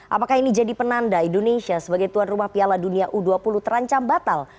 apakah ini jadi penanda indonesia sebagai tuan rumah piala dunia u dua puluh terancam batal